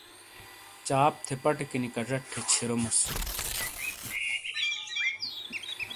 چاپ تھے پٹے کِینِی کچٹ تھے چھُوریموس۔